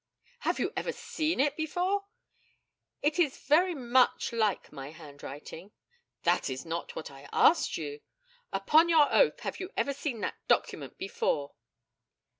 Have you ever seen it before? It is very much like my handwriting. That is not what I asked you. Upon your oath, have you ever seen that document before?